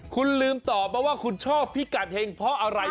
คุณลืมตอบมาว่าคุณชอบพิกัดเห็งเพราะอะไร